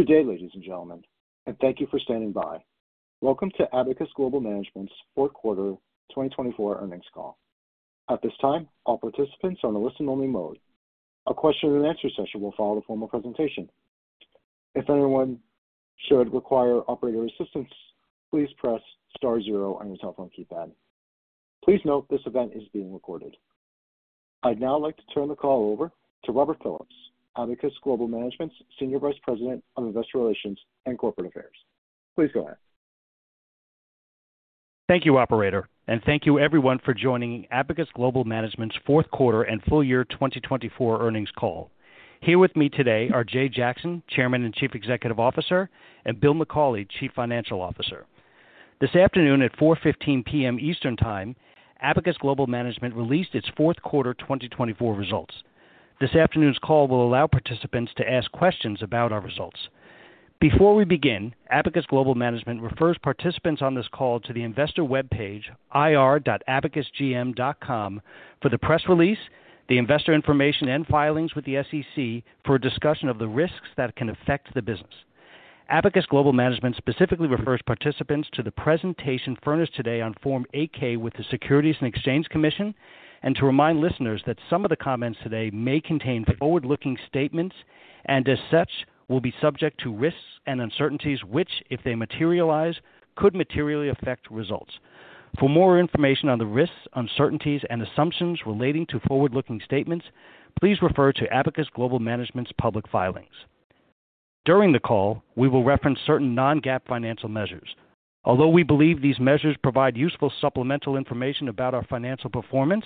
Good day, ladies and gentlemen, and thank you for standing by. Welcome to Abacus Global Management's fourth quarter 2024 earnings call. At this time, all participants are in the listen-only mode. A question and answer session will follow the formal presentation. If anyone should require operator assistance, please press star zero on your cell phone keypad. Please note this event is being recorded. I'd now like to turn the call over to Robert Phillips, Abacus Global Management's Senior Vice President of Investor Relations and Corporate Affairs. Please go ahead. Thank you, Operator, and thank you, everyone, for joining Abacus Global Management's fourth quarter and full year 2024 earnings call. Here with me today are Jay Jackson, Chairman and Chief Executive Officer, and Bill McCauley, Chief Financial Officer. This afternoon at 4:15 P.M. Eastern Time, Abacus Global Management released its fourth quarter 2024 results. This afternoon's call will allow participants to ask questions about our results. Before we begin, Abacus Global Management refers participants on this call to the investor webpage, ir.abacusgm.com, for the press release, the investor information, and filings with the SEC for a discussion of the risks that can affect the business. Abacus Global Management specifically refers participants to the presentation furnished today on Form 8-K with the Securities and Exchange Commission and to remind listeners that some of the comments today may contain forward-looking statements and, as such, will be subject to risks and uncertainties which, if they materialize, could materially affect results. For more information on the risks, uncertainties, and assumptions relating to forward-looking statements, please refer to Abacus Global Management's public filings. During the call, we will reference certain non-GAAP financial measures. Although we believe these measures provide useful supplemental information about our financial performance,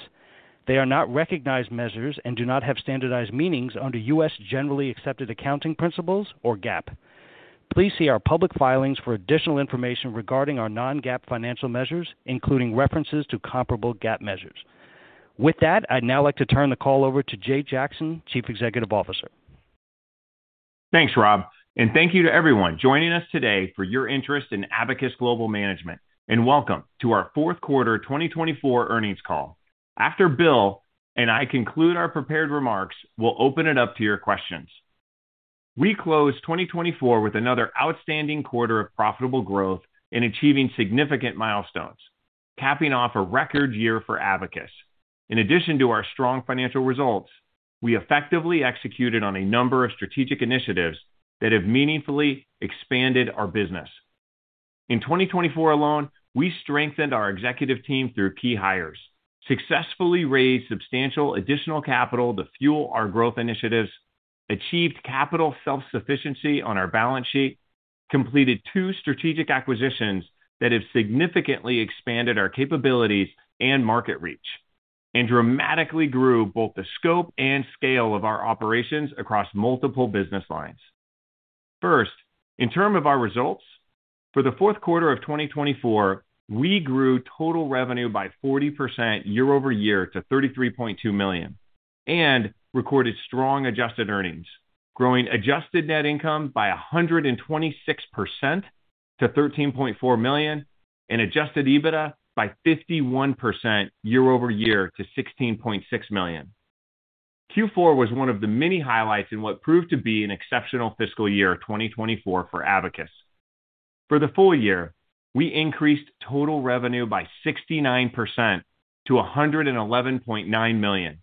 they are not recognized measures and do not have standardized meanings under U.S. Generally Accepted Accounting Principles, or GAAP. Please see our public filings for additional information regarding our non-GAAP financial measures, including references to comparable GAAP measures. With that, I'd now like to turn the call over to Jay Jackson, Chief Executive Officer. Thanks, Rob, and thank you to everyone joining us today for your interest in Abacus Global Management, and welcome to our fourth quarter 2024 earnings call. After Bill and I conclude our prepared remarks, we'll open it up to your questions. We close 2024 with another outstanding quarter of profitable growth and achieving significant milestones, capping off a record year for Abacus. In addition to our strong financial results, we effectively executed on a number of strategic initiatives that have meaningfully expanded our business. In 2024 alone, we strengthened our executive team through key hires, successfully raised substantial additional capital to fuel our growth initiatives, achieved capital self-sufficiency on our balance sheet, completed two strategic acquisitions that have significantly expanded our capabilities and market reach, and dramatically grew both the scope and scale of our operations across multiple business lines. First, in terms of our results, for the fourth quarter of 2024, we grew total revenue by 40% year-over-year to $33.2 million and recorded strong adjusted earnings, growing adjusted net income by 126% to $13.4 million and adjusted EBITDA by 51% year-over-year to $16.6 million. Q4 was one of the many highlights in what proved to be an exceptional fiscal year 2024 for Abacus. For the full year, we increased total revenue by 69% to $111.9 million,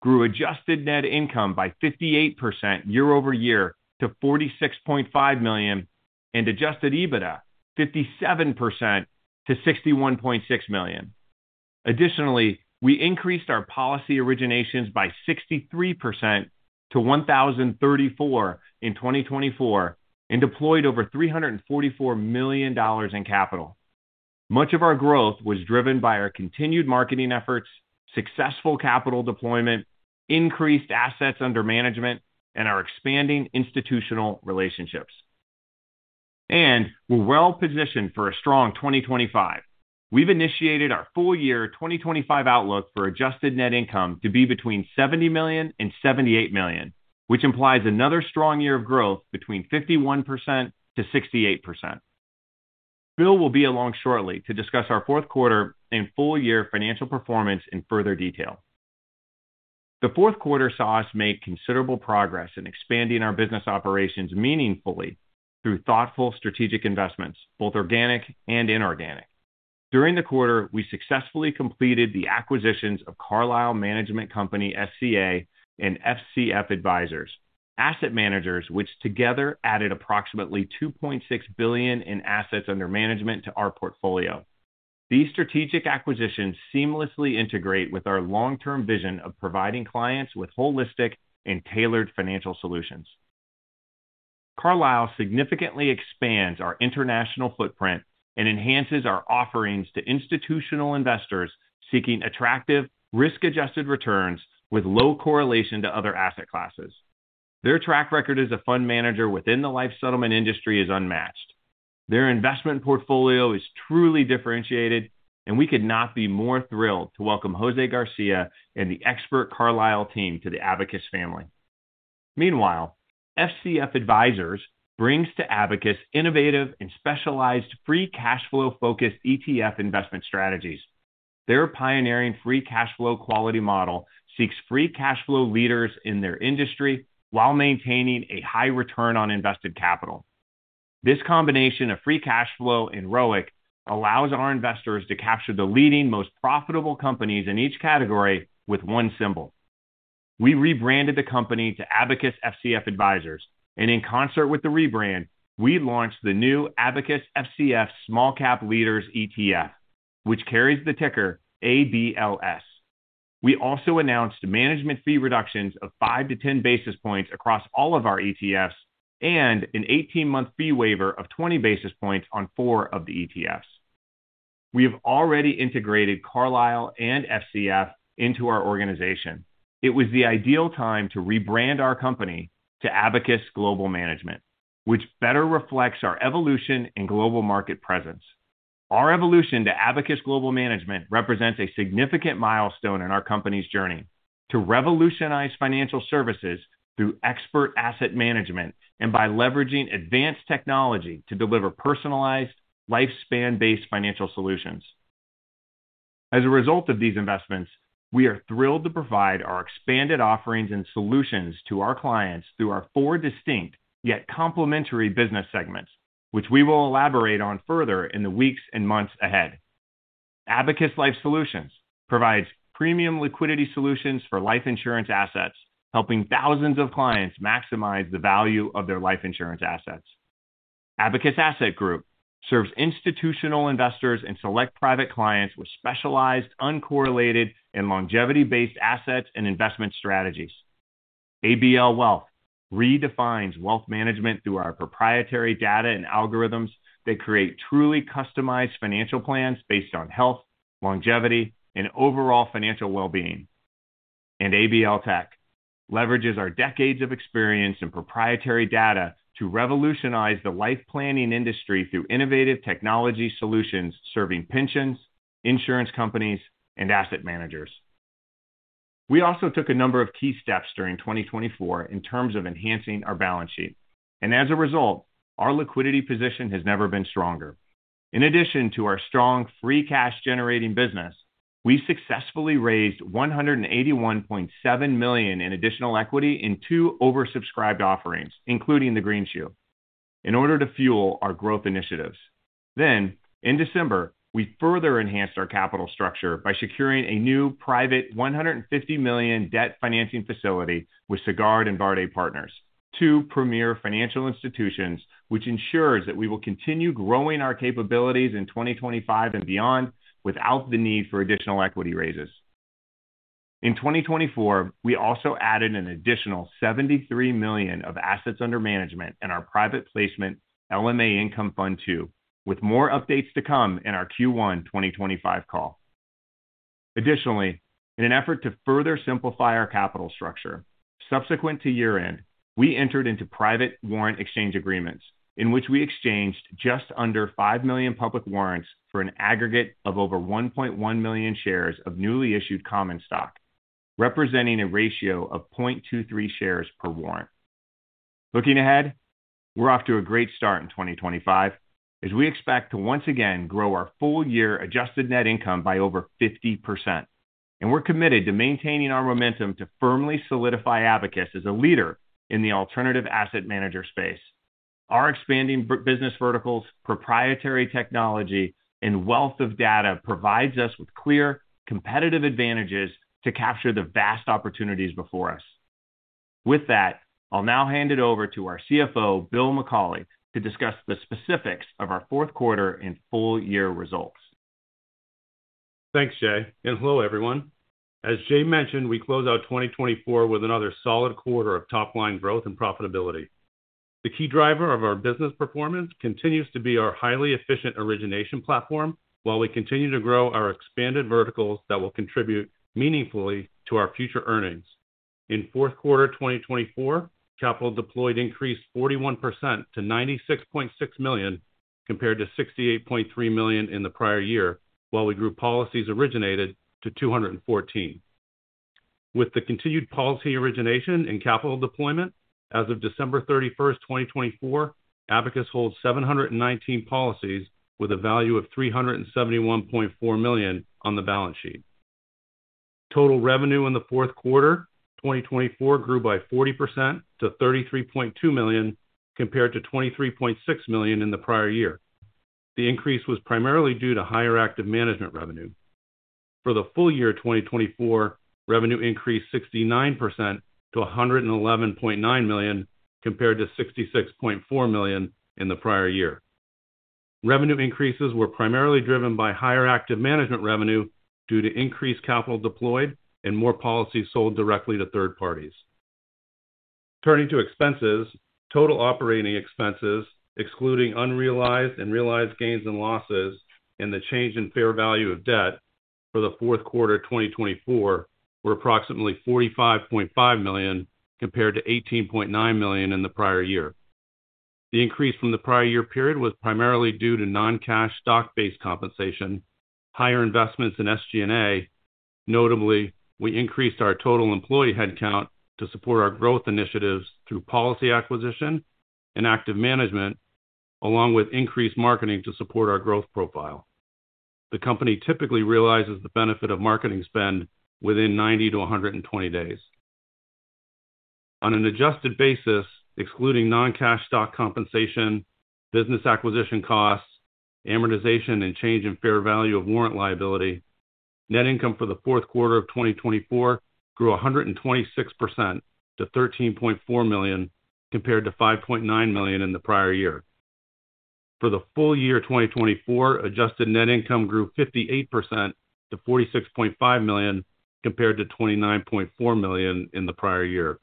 grew adjusted net income by 58% year-over-year to $46.5 million, and adjusted EBITDA 57% to $61.6 million. Additionally, we increased our policy originations by 63% to 1,034 in 2024 and deployed over $344 million in capital. Much of our growth was driven by our continued marketing efforts, successful capital deployment, increased assets under management, and our expanding institutional relationships. We are well positioned for a strong 2025. We've initiated our full year 2025 outlook for adjusted net income to be between $70 million and $78 million, which implies another strong year of growth between 51%-68%. Bill will be along shortly to discuss our fourth quarter and full year financial performance in further detail. The fourth quarter saw us make considerable progress in expanding our business operations meaningfully through thoughtful strategic investments, both organic and inorganic. During the quarter, we successfully completed the acquisitions of Carlisle Management Company SCA and FCF Advisors, asset managers which together added approximately $2.6 billion in assets under management to our portfolio. These strategic acquisitions seamlessly integrate with our long-term vision of providing clients with holistic and tailored financial solutions. Carlisle significantly expands our international footprint and enhances our offerings to institutional investors seeking attractive, risk-adjusted returns with low correlation to other asset classes. Their track record as a fund manager within the life settlement industry is unmatched. Their investment portfolio is truly differentiated, and we could not be more thrilled to welcome José García and the expert Carlisle team to the Abacus family. Meanwhile, FCF Advisors brings to Abacus innovative and specialized free cash flow-focused ETF investment strategies. Their pioneering free cash flow quality model seeks free cash flow leaders in their industry while maintaining a high return on invested capital. This combination of free cash flow and ROIC allows our investors to capture the leading most profitable companies in each category with one symbol. We rebranded the company to Abacus FCF Advisors, and in concert with the rebrand, we launched the new Abacus FCF Small Cap Leaders ETF, which carries the ticker ABLS. We also announced management fee reductions of 5-10 basis points across all of our ETFs and an 18-month fee waiver of 20 basis points on four of the ETFs. We have already integrated Carlisle and FCF into our organization. It was the ideal time to rebrand our company to Abacus Global Management, which better reflects our evolution and global market presence. Our evolution to Abacus Global Management represents a significant milestone in our company's journey to revolutionize financial services through expert asset management and by leveraging advanced technology to deliver personalized, lifespan-based financial solutions. As a result of these investments, we are thrilled to provide our expanded offerings and solutions to our clients through our four distinct yet complementary business segments, which we will elaborate on further in the weeks and months ahead. Abacus Global Management provides premium liquidity solutions for life insurance assets, helping thousands of clients maximize the value of their life insurance assets. Abacus Asset Group serves institutional investors and select private clients with specialized, uncorrelated, and longevity-based assets and investment strategies. ABL Wealth redefines wealth management through our proprietary data and algorithms that create truly customized financial plans based on health, longevity, and overall financial well-being. ABL Tech leverages our decades of experience in proprietary data to revolutionize the life planning industry through innovative technology solutions serving pensions, insurance companies, and asset managers. We also took a number of key steps during 2024 in terms of enhancing our balance sheet, and as a result, our liquidity position has never been stronger. In addition to our strong free cash-generating business, we successfully raised $181.7 million in additional equity in two oversubscribed offerings, including the greenshoe, in order to fuel our growth initiatives. In December, we further enhanced our capital structure by securing a new private $150 million debt financing facility with Sagard and Baird Partners, two premier financial institutions, which ensures that we will continue growing our capabilities in 2025 and beyond without the need for additional equity raises. In 2024, we also added an additional $73 million of assets under management in our private placement LMA Income Fund II, with more updates to come in our Q1 2025 call. Additionally, in an effort to further simplify our capital structure, subsequent to year-end, we entered into private warrant exchange agreements in which we exchanged just under 5 million public warrants for an aggregate of over 1.1 million shares of newly issued common stock, representing a ratio of 0.23 shares per warrant. Looking ahead, we're off to a great start in 2025, as we expect to once again grow our full year adjusted net income by over 50%, and we're committed to maintaining our momentum to firmly solidify Abacus as a leader in the alternative asset manager space. Our expanding business verticals, proprietary technology, and wealth of data provide us with clear competitive advantages to capture the vast opportunities before us. With that, I'll now hand it over to our CFO, Bill McCauley, to discuss the specifics of our fourth quarter and full year results. Thanks, Jay, and hello, everyone. As Jay mentioned, we close out 2024 with another solid quarter of top-line growth and profitability. The key driver of our business performance continues to be our highly efficient origination platform, while we continue to grow our expanded verticals that will contribute meaningfully to our future earnings. In fourth quarter 2024, capital deployed increased 41% to $96.6 million compared to $68.3 million in the prior year, while we grew policies originated to 214. With the continued policy origination and capital deployment, as of December 31st, 2024, Abacus holds 719 policies with a value of $371.4 million on the balance sheet. Total revenue in the fourth quarter 2024 grew by 40% to $33.2 million compared to $23.6 million in the prior year. The increase was primarily due to higher active management revenue. For the full year 2024, revenue increased 69% to $111.9 million compared to $66.4 million in the prior year. Revenue increases were primarily driven by higher active management revenue due to increased capital deployed and more policies sold directly to third parties. Turning to expenses, total operating expenses, excluding unrealized and realized gains and losses and the change in fair value of debt for the fourth quarter 2024, were approximately $45.5 million compared to $18.9 million in the prior year. The increase from the prior year period was primarily due to non-cash stock-based compensation, higher investments in SG&A. Notably, we increased our total employee headcount to support our growth initiatives through policy acquisition and active management, along with increased marketing to support our growth profile. The company typically realizes the benefit of marketing spend within 90 to 120 days. On an adjusted basis, excluding non-cash stock compensation, business acquisition costs, amortization, and change in fair value of warrant liability, net income for the fourth quarter of 2024 grew 126% to $13.4 million compared to $5.9 million in the prior year. For the full year 2024, adjusted net income grew 58% to $46.5 million compared to $29.4 million in the prior year.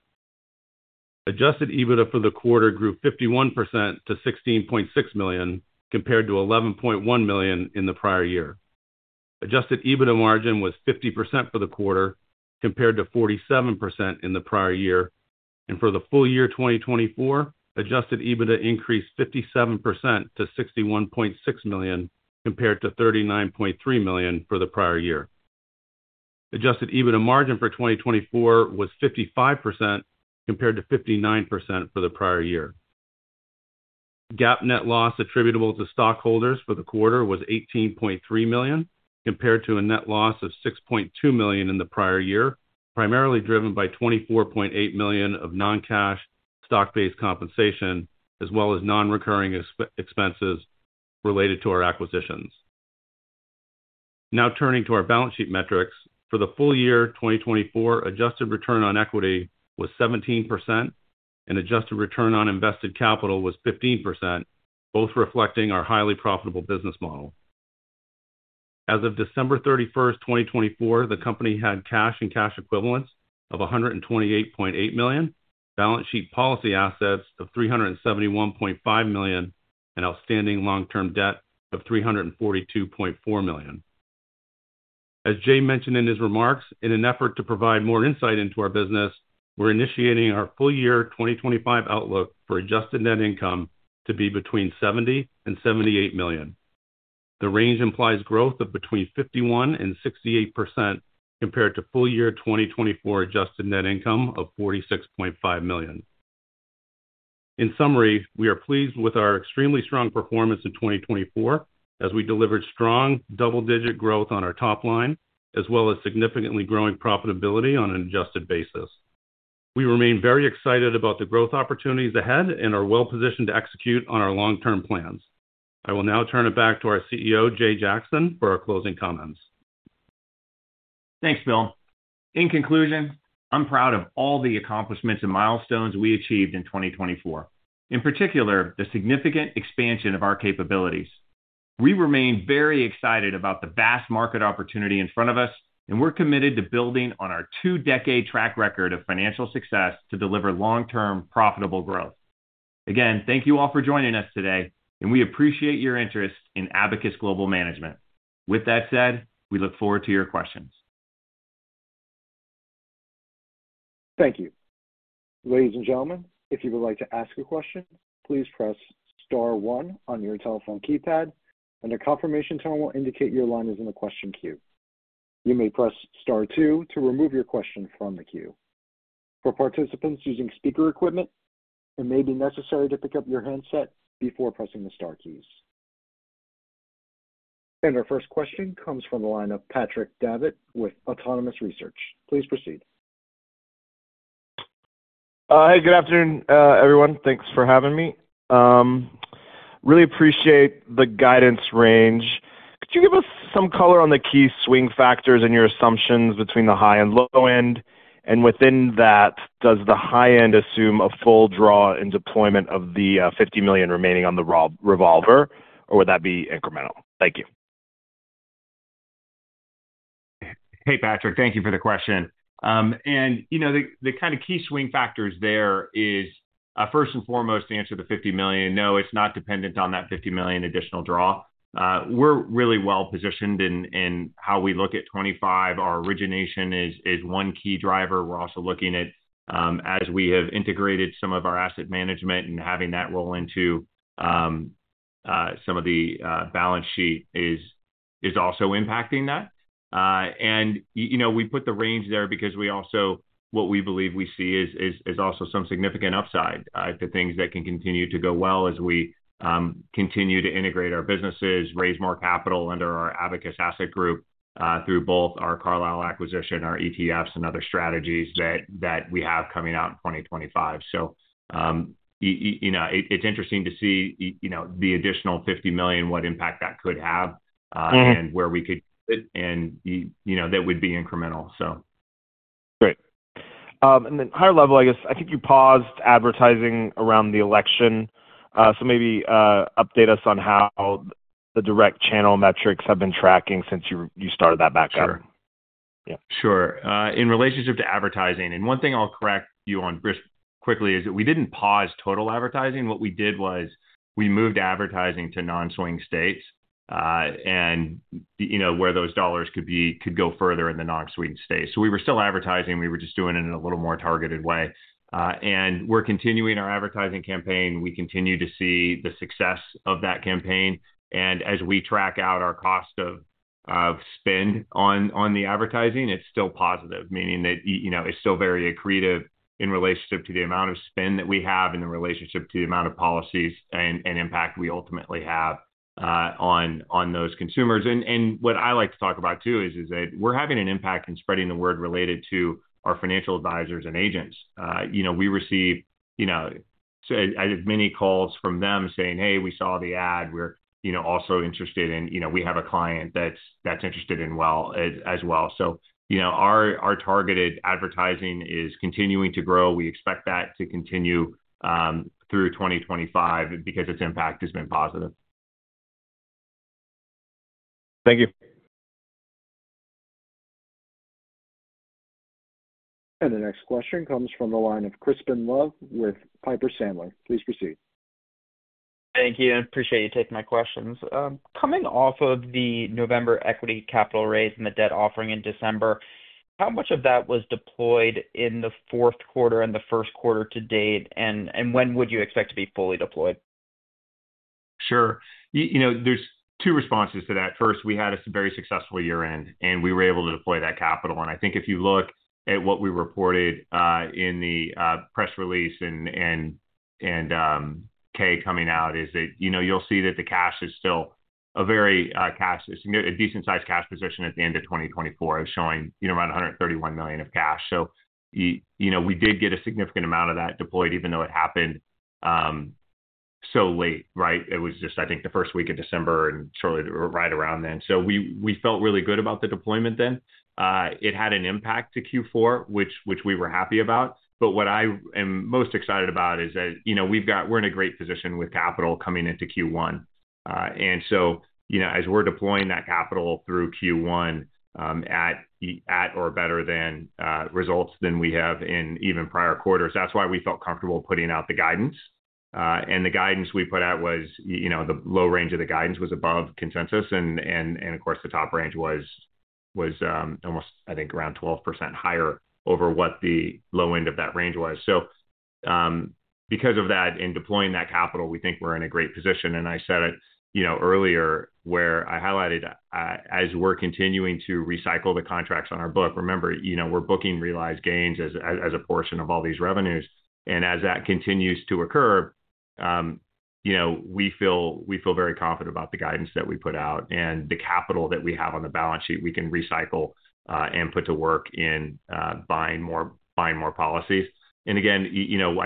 Adjusted EBITDA for the quarter grew 51% to $16.6 million compared to $11.1 million in the prior year. Adjusted EBITDA margin was 50% for the quarter compared to 47% in the prior year, and for the full year 2024, adjusted EBITDA increased 57% to $61.6 million compared to $39.3 million for the prior year. Adjusted EBITDA margin for 2024 was 55% compared to 59% for the prior year. GAAP net loss attributable to stockholders for the quarter was $18.3 million compared to a net loss of $6.2 million in the prior year, primarily driven by $24.8 million of non-cash stock-based compensation, as well as non-recurring expenses related to our acquisitions. Now turning to our balance sheet metrics, for the full year 2024, adjusted return on equity was 17%, and adjusted return on invested capital was 15%, both reflecting our highly profitable business model. As of December 31st, 2024, the company had cash-and-cash equivalents of $128.8 million, balance sheet policy assets of $371.5 million, and outstanding long-term debt of $342.4 million. As Jay mentioned in his remarks, in an effort to provide more insight into our business, we're initiating our full year 2025 outlook for adjusted net income to be between $70 million and $78 million. The range implies growth of between 51% and 68% compared to full year 2024 adjusted net income of $46.5 million. In summary, we are pleased with our extremely strong performance in 2024, as we delivered strong double-digit growth on our top line, as well as significantly growing profitability on an adjusted basis. We remain very excited about the growth opportunities ahead and are well positioned to execute on our long-term plans. I will now turn it back to our CEO, Jay Jackson, for our closing comments. Thanks, Bill. In conclusion, I'm proud of all the accomplishments and milestones we achieved in 2024, in particular the significant expansion of our capabilities. We remain very excited about the vast market opportunity in front of us, and we're committed to building on our two-decade track record of financial success to deliver long-term profitable growth. Again, thank you all for joining us today, and we appreciate your interest in Abacus Global Management. With that said, we look forward to your questions. Thank you. Ladies and gentlemen, if you would like to ask a question, please press star one on your telephone keypad, and a confirmation-tone will indicate your line is in the question queue. You may press star two to remove your question from the queue. For participants using speaker equipment, it may be necessary to pick up your handset before pressing the star keys. Our first question comes from the line of Patrick Davitt with Autonomous Research. Please proceed. Hey, good afternoon, everyone. Thanks for having me. Really appreciate the guidance range. Could you give us some color on the key swing factors and your assumptions between the high and low end? Within that, does the high end assume a full draw in deployment of the $50 million remaining on the revolver, or would that be incremental? Thank you. Hey, Patrick, thank you for the question. You know the kind of key swing factors there is, first and foremost, to answer the $50 million, no, it's not dependent on that $50 million additional draw. We're really well positioned in how we look at 2025. Our origination is one key driver. We're also looking at, as we have integrated some of our asset management and having that roll into some of the balance sheet, is also impacting that. You know we put the range there because we also what we believe we see is also some significant upside, the things that can continue to go well as we continue to integrate our businesses, raise more capital under our Abacus Asset Group through both our Carlisle acquisition, our ETFs, and other strategies that we have coming out in 2025. You know it's interesting to see the additional $50 million, what impact that could have and where we could use it, and you know that would be incremental, so. Great. Higher level, I guess, I think you paused advertising around the election, so maybe update us on how the direct channel metrics have been tracking since you started that back up. Sure. In relationship to advertising, and one thing I'll correct you on just quickly is that we didn't pause total advertising. What we did was we moved advertising to non-swing states and where those dollars could go further in the non-swing states. We were still advertising. We were just doing it in a little more targeted way. We are continuing our advertising campaign. We continue to see the success of that campaign. As we track out our cost of spend on the advertising, it's still positive, meaning that it's still very accretive in relationship to the amount of spend that we have and in relationship to the amount of policies and impact we ultimately have on those consumers. What I like to talk about too is that we're having an impact in spreading the word related to our financial advisors and agents. We receive as many calls from them saying, "Hey, we saw the ad. We're also interested in we have a client that's interested in well as well." Our targeted advertising is continuing to grow. We expect that to continue through 2025 because its impact has been positive. Thank you. The next question comes from the line of Crispin Love with Piper Sandler. Please proceed. Thank you. Appreciate you taking my questions. Coming off of the November equity capital raise and the debt offering in December, how much of that was deployed in the fourth quarter and the first quarter to date, and when would you expect to be fully deployed? Sure. You know there's two responses to that. First, we had a very successful year-end, and we were able to deploy that capital. I think if you look at what we reported in the press release and K coming out, you'll see that the cash is still a very, a decent-sized cash position at the end of 2024, showing around $131 million of cash. You know we did get a significant amount of that deployed, even though it happened so late, right? It was just, I think, the first week of December and shortly right around then. We felt really good about the deployment then. It had an impact to Q4, which we were happy about. What I am most excited about is that we're in a great position with capital coming into Q1. As we are deploying that capital through Q1 at or better than results than we have in even prior quarters, that is why we felt comfortable putting out the guidance. The guidance we put out was the low range of the guidance was above consensus, and of course, the top range was almost, I think, around 12% higher over what the low end of that range was. Because of that, in deploying that capital, we think we are in a great position. I said it earlier where I highlighted as we are continuing to recycle the contracts on our book. Remember, we are booking realized gains as a portion of all these revenues. As that continues to occur, we feel very confident about the guidance that we put out and the capital that we have on the balance sheet we can recycle and put to work in buying more policies. I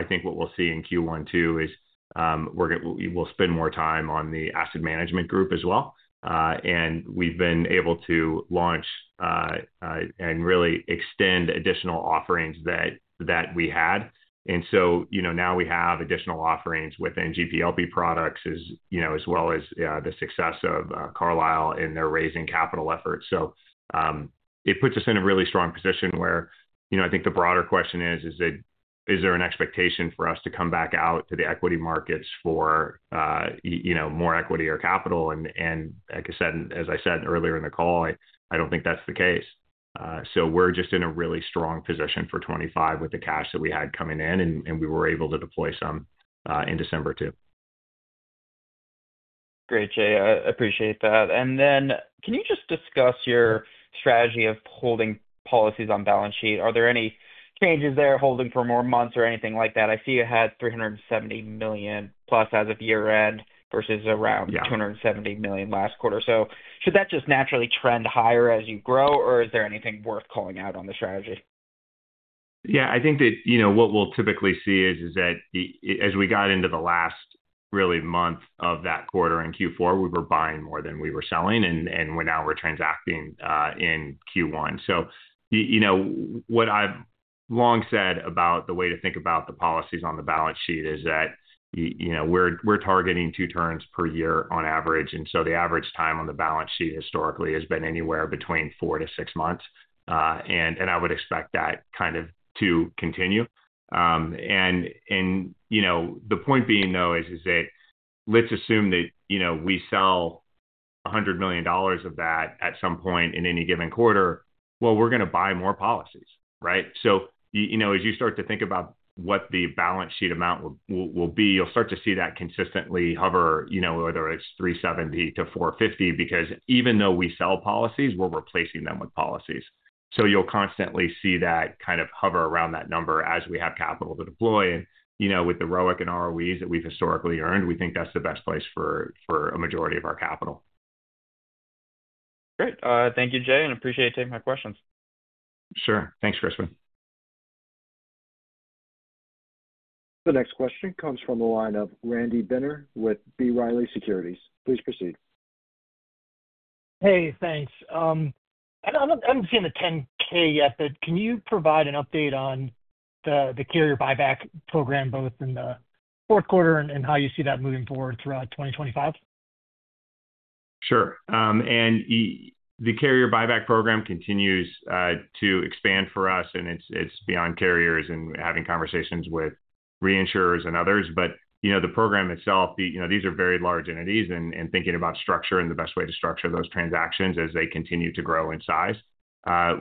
think what we'll see in Q1 too is we'll spend more time on the asset management group as well. We have been able to launch and really extend additional offerings that we had. Now we have additional offerings within GP/LP products as well as the success of Carlisle in their raising capital efforts. It puts us in a really strong position where I think the broader question is, is there an expectation for us to come back out to the equity markets for more equity or capital? Like I said, as I said earlier in the call, I don't think that's the case. We're just in a really strong position for 2025 with the cash that we had coming in, and we were able to deploy some in December too. Great, Jay. I appreciate that. Can you just discuss your strategy of holding policies on balance sheet? Are there any changes there holding for more months or anything like that? I see you had $370 million+ as of year-end versus around $270 million last quarter. Should that just naturally trend higher as you grow, or is there anything worth calling out on the strategy? Yeah, I think that what we'll typically see is that as we got into the last really month of that quarter in Q4, we were buying more than we were selling, and now we're transacting in Q1. What I've long said about the way to think about the policies on the balance sheet is that we're targeting two turns per year on average. The average time on the balance sheet historically has been anywhere between four to six months, and I would expect that kind of to continue. The point being, though, is that let's assume that we sell $100 million of that at some point in any given quarter. We're going to buy more policies, right? As you start to think about what the balance sheet amount will be, you'll start to see that consistently hover, whether it's $370 million-$450 million, because even though we sell policies, we're replacing them with policies. Y ou'll constantly see that kind of hover around that number as we have capital to deploy. With the ROIC and ROEs that we've historically earned, we think that's the best place for a majority of our capital. Great. Thank you, Jay, and appreciate you taking my questions. Sure. Thanks, Crispin. The next question comes from the line of Randy Binner with B. Riley Securities. Please proceed. Hey, thanks. I haven't seen the 10-K yet, but can you provide an update on the Carrier buyback program both in the fourth quarter and how you see that moving forward throughout 2025? Sure. The Carrier buyback program continues to expand for us, and it's beyond carriers and having conversations with reinsurers and others. The program itself, these are very large entities, and thinking about structure and the best way to structure those transactions as they continue to grow in size.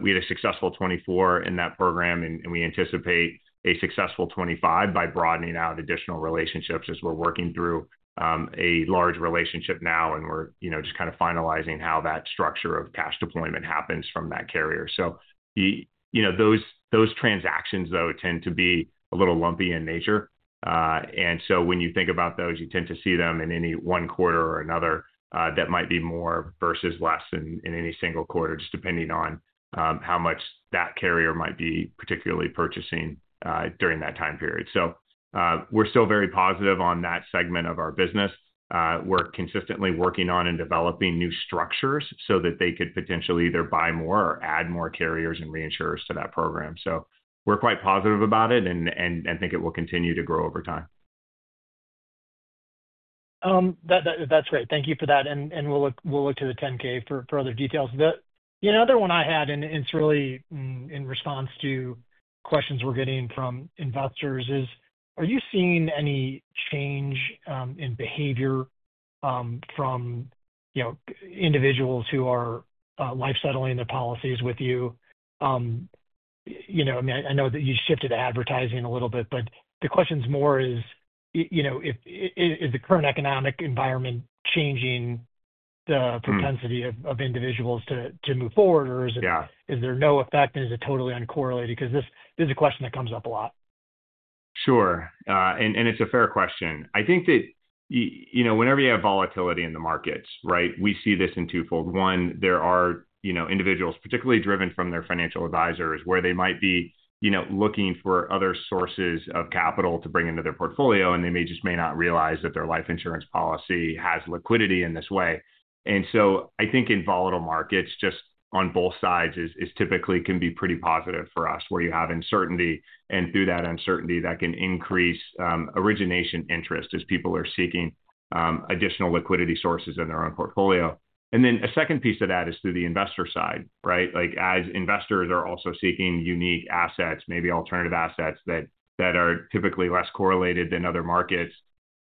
We had a successful 2024 in that program, and we anticipate a successful 2025 by broadening out additional relationships as we're working through a large relationship now, and we're just kind of finalizing how that structure of cash deployment happens from that carrier. Those transactions, though, tend to be a little lumpy in nature. When you think about those, you tend to see them in any one quarter or another that might be more versus less in any single quarter, just depending on how much that carrier might be particularly purchasing during that time period. We're still very positive on that segment of our business. We're consistently working on and developing new structures so that they could potentially either buy more or add more carriers and reinsurers to that program. We're quite positive about it and think it will continue to grow over time. That's great. Thank you for that. We'll look to the 10-K for other details. The other one I had, and it's really in response to questions we're getting from investors, is, are you seeing any change in behavior from individuals who are life-settling their policies with you? I mean, I know that you shifted to advertising a little bit, but the question's more is, is the current economic environment changing the propensity of individuals to move forward, or is there no effect, and is it totally uncorrelated? Because this is a question that comes up a lot. Sure. It is a fair question. I think that whenever you have volatility in the markets, right, we see this in twofold. One, there are individuals particularly driven from their financial advisors where they might be looking for other sources of capital to bring into their portfolio, and they may just may not realize that their life insurance policy has liquidity in this way. I think in volatile markets, just on both sides, it typically can be pretty positive for us where you have uncertainty. Through that uncertainty, that can increase origination interest as people are seeking additional liquidity sources in their own portfolio. A second piece of that is through the investor side, right? As investors are also seeking unique assets, maybe alternative assets that are typically less correlated than other markets,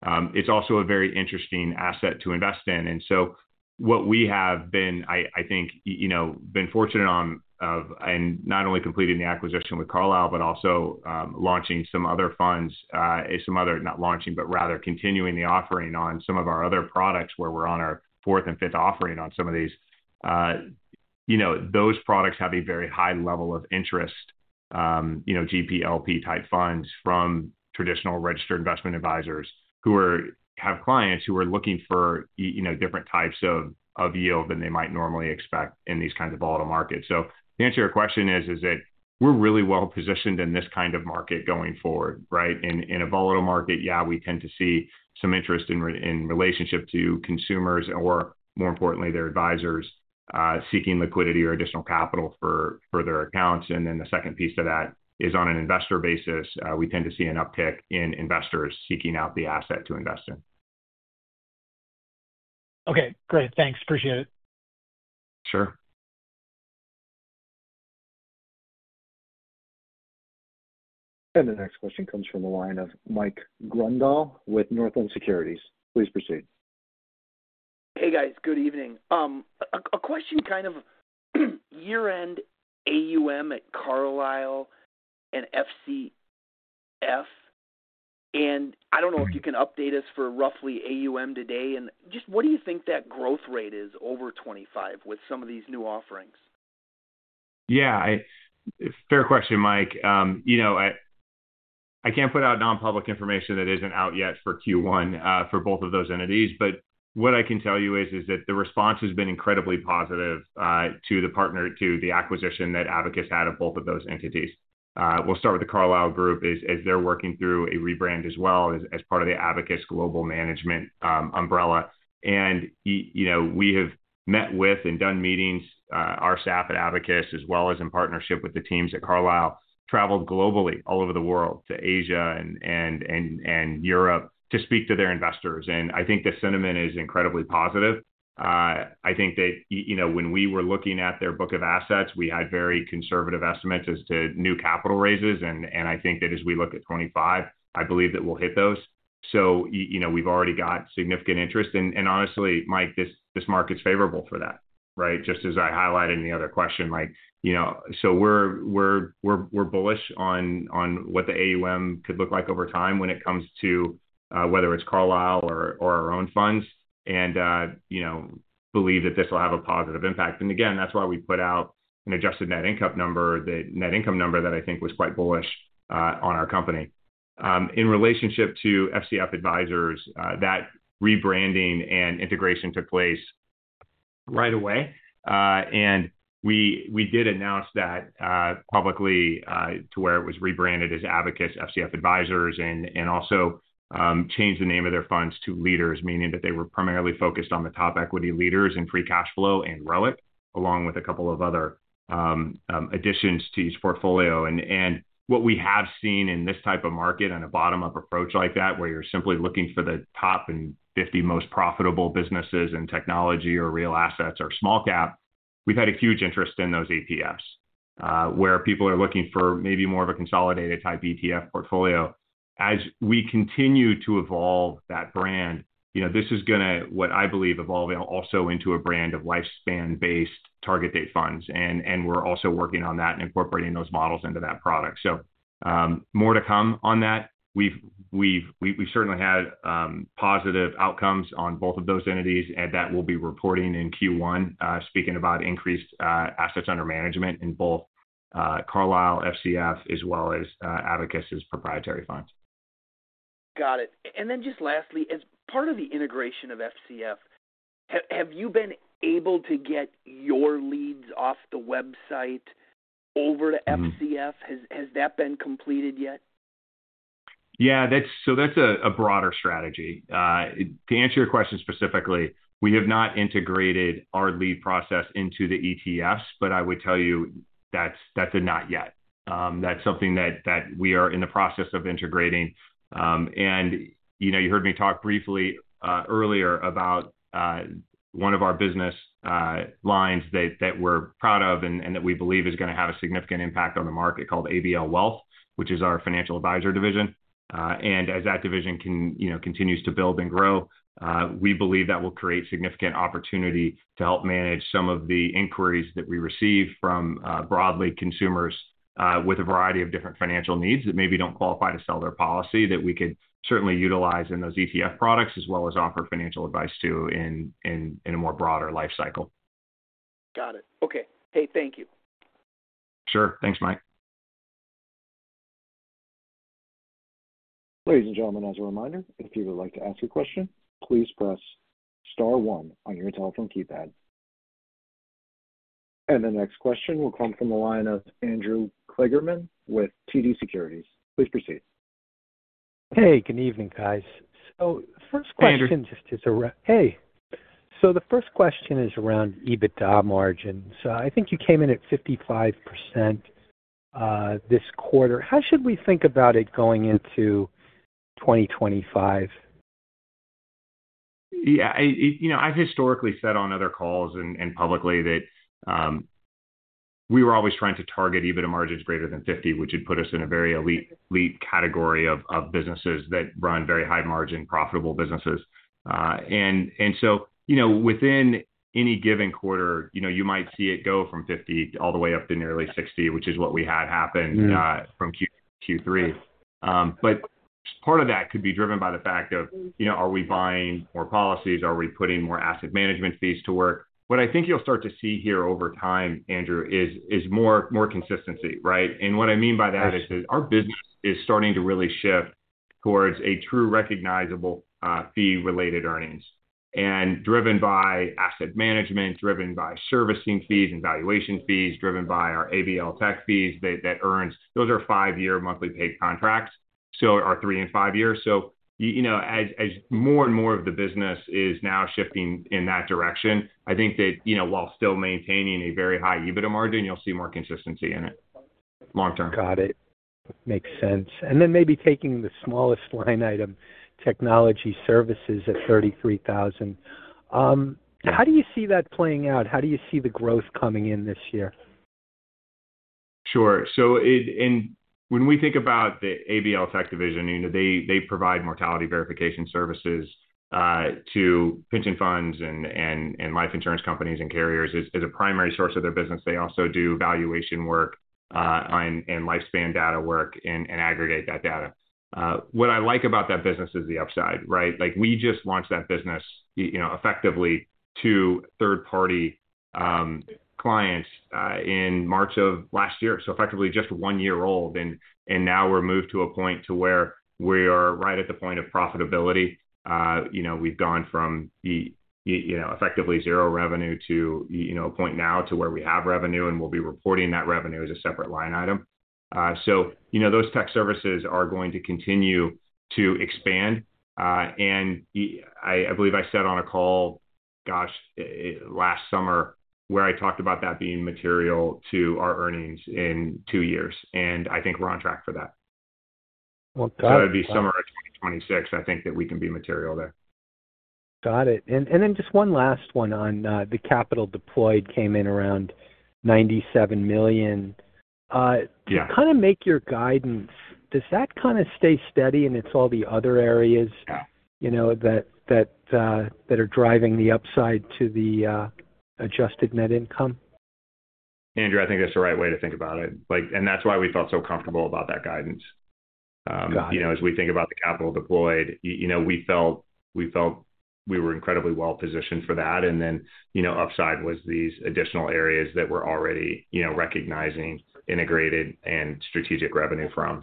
it is also a very interesting asset to invest in. What we have been, I think, been fortunate on is not only completing the acquisition with Carlisle, but also launching some other funds, not launching, but rather continuing the offering on some of our other products where we're on our fourth and fifth offering on some of these. Those products have a very high level of interest, GP/LP type funds from traditional registered investment advisors who have clients who are looking for different types of yield than they might normally expect in these kinds of volatile markets. To answer your question, we're really well positioned in this kind of market going forward, right? In a volatile market, yeah, we tend to see some interest in relationship to consumers or, more importantly, their advisors seeking liquidity or additional capital for their accounts. The second piece to that is on an investor basis, we tend to see an uptick in investors seeking out the asset to invest in. Okay. Great. Thanks. Appreciate it. Sure. The next question comes from the line of Mike Grondahl with Northland Securities. Please proceed. Hey, guys. Good evening. A question kind of year-end AUM at Carlisle and FCF. I don't know if you can update us for roughly AUM today. What do you think that growth rate is over 2025 with some of these new offerings? Yeah. Fair question, Mike. I can't put out nonpublic information that isn't out yet for Q1 for both of those entities. What I can tell you is that the response has been incredibly positive to the partner, to the acquisition that Abacus had of both of those entities. We'll start with the Carlisle group as they're working through a rebrand as well as part of the Abacus Global Management umbrella. We have met with and done meetings. Our staff at Abacus, as well as in partnership with the teams at Carlisle, traveled globally all over the world to Asia and Europe to speak to their investors. I think the sentiment is incredibly positive. I think that when we were looking at their book of assets, we had very conservative estimates as to new capital raises. I think that as we look at 2025, I believe that we'll hit those. We've already got significant interest. Honestly, Mike, this market's favorable for that, right? Just as I highlighted in the other question, Mike, we're bullish on what the AUM could look like over time when it comes to whether it's Carlisle or our own funds and believe that this will have a positive impact. That's why we put out an adjusted net income number, the net income number that I think was quite bullish on our company. In relationship to FCF Advisors, that rebranding and integration took place right away. We did announce that publicly to where it was rebranded as Abacus FCF Advisors and also changed the name of their funds to leaders, meaning that they were primarily focused on the top equity leaders in free cash flow and ROIC, along with a couple of other additions to each portfolio. What we have seen in this type of market on a bottom-up approach like that, where you're simply looking for the top 50 most profitable businesses in technology or real assets or small cap, we've had a huge interest in those ETFs where people are looking for maybe more of a consolidated type ETF portfolio. As we continue to evolve that brand, this is going to, what I believe, evolve also into a brand of lifespan-based target date funds. We are also working on that and incorporating those models into that product. More to come on that. We've certainly had positive outcomes on both of those entities, and that we'll be reporting in Q1, speaking about increased assets under management in both Carlisle, FCF, as well as Abacus' proprietary funds. Got it. Lastly, as part of the integration of FCF, have you been able to get your leads off the website over to FCF? Has that been completed yet? Yeah. That is a broader strategy. To answer your question specifically, we have not integrated our lead process into the ETFs, but I would tell you that is a not yet. That is something that we are in the process of integrating. You heard me talk briefly earlier about one of our business lines that we are proud of and that we believe is going to have a significant impact on the market called ABL Wealth, which is our financial advisor division. As that division continues to build and grow, we believe that will create significant opportunity to help manage some of the inquiries that we receive from broadly consumers with a variety of different financial needs that maybe do not qualify to sell their policy that we could certainly utilize in those ETF products as well as offer financial advice to in a more broader life cycle. Got it. Okay. Hey, thank you. Sure. Thanks, Mike. Ladies and gentlemen, as a reminder, if you would like to ask a question, please press star one on your telephone keypad. The next question will come from the line of Andrew Kligerman with TD Securities. Please proceed. Hey, good evening, guys. The first question is around. Andrew? Hey. The first question is around EBITDA margin. I think you came in at 55% this quarter. How should we think about it going into 2025? Yeah. I've historically said on other calls and publicly that we were always trying to target EBITDA margins greater than 50%, which would put us in a very elite category of businesses that run very high margin, profitable businesses. Within any given quarter, you might see it go from 50% all the way up to nearly 60%, which is what we had happen from Q3. Part of that could be driven by the fact of, are we buying more policies? Are we putting more asset management fees to work? What I think you'll start to see here over time, Andrew, is more consistency, right? What I mean by that is that our business is starting to really shift towards a true recognizable fee-related earnings and driven by asset management, driven by servicing fees and valuation fees, driven by our ABL Tech fees that earns. Those are five-year monthly paid contracts, so our three and five years. As more and more of the business is now shifting in that direction, I think that while still maintaining a very high EBITDA margin, you'll see more consistency in it long term. Got it. Makes sense. Maybe taking the smallest line item, technology services at $33,000. How do you see that playing out? How do you see the growth coming in this year? Sure. When we think about the ABL Tech division, they provide mortality verification services to pension funds and life insurance companies and carriers as a primary source of their business. They also do valuation work and lifespan data work and aggregate that data. What I like about that business is the upside, right? We just launched that business effectively to third-party clients in March of last year. Effectively just one year old. Now we're moved to a point to where we are right at the point of profitability. We've gone from effectively zero revenue to a point now to where we have revenue, and we'll be reporting that revenue as a separate line item. Those Tech services are going to continue to expand. I believe I said on a call, gosh, last summer where I talked about that being material to our earnings in two years. I think we're on track for that. Got it. That would be summer of 2026, I think that we can be material there. Got it. And then just one last one on the capital deployed came in around $97 million. Kind of make your guidance. Does that kind of stay steady and it's all the other areas that are driving the upside to the adjusted net income? Andrew, I think that's the right way to think about it. That's why we felt so comfortable about that guidance. Got it. As we think about the capital deployed, we felt we were incredibly well positioned for that. The upside was these additional areas that we're already recognizing, integrated, and strategic revenue from.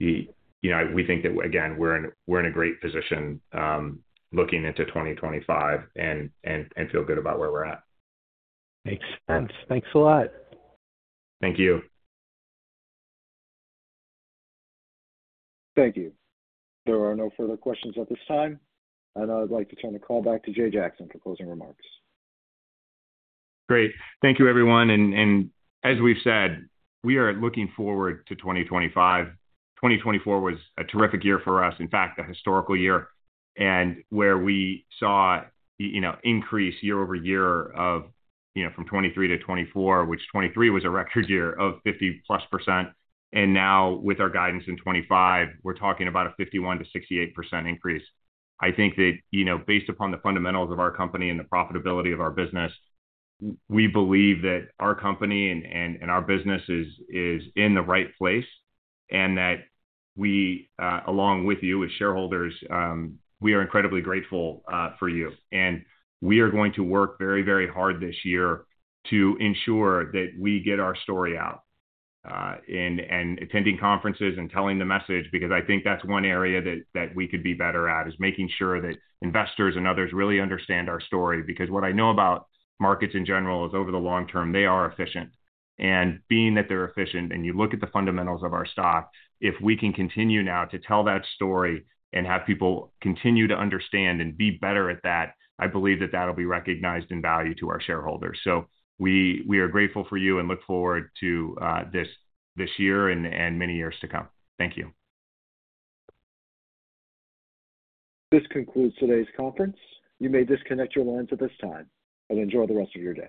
We think that, again, we're in a great position looking into 2025 and feel good about where we're at. Makes sense. Thanks a lot. Thank you. Thank you. There are no further questions at this time. I would like to turn the call back to Jay Jackson for closing remarks. Great. Thank you, everyone. As we have said, we are looking forward to 2025. 2024 was a terrific year for us. In fact, a historical year where we saw increase year-over-year from 2023 to 2024, which 2023 was a record year of 50%+. Now with our guidance in 2025, we are talking about a 51%-68% increase. I think that based upon the fundamentals of our company and the profitability of our business, we believe that our company and our business is in the right place and that we, along with you as shareholders, are incredibly grateful for you. We are going to work very, very hard this year to ensure that we get our story out and attending conferences and telling the message because I think that's one area that we could be better at is making sure that investors and others really understand our story. What I know about markets in general is over the long term, they are efficient. Being that they're efficient and you look at the fundamentals of our stock, if we can continue now to tell that story and have people continue to understand and be better at that, I believe that that'll be recognized in value to our shareholders. We are grateful for you and look forward to this year and many years to come. Thank you. This concludes today's conference. You may disconnect your lines at this time and enjoy the rest of your day.